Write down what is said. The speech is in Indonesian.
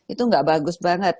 itu gak bagus banget